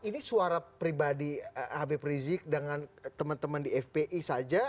ini suara pribadi habib rizik dengan teman teman di fpi saja